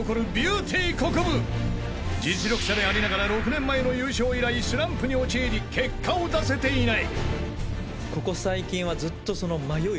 ［実力者でありながら６年前の優勝以来スランプに陥り結果を出せていない］